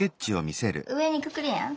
上にくくるやん。